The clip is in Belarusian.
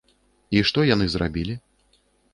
І што яны зрабілі?